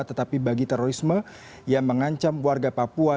tetapi bagi terorisme yang mengancam warga papua